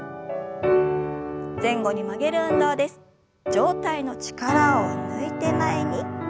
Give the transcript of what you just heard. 上体の力を抜いて前に。